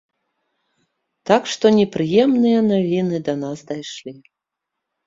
Так што непрыемныя навіны да нас дайшлі.